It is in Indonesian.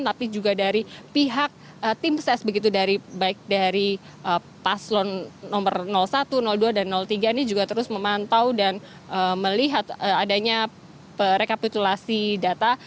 tapi juga dari pihak tim ses begitu dari baik dari paslon nomor satu dua dan tiga ini juga terus memantau dan melihat adanya rekapitulasi data